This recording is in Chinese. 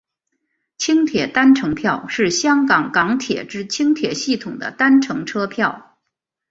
轻铁单程票是香港港铁之轻铁系统的单程车票。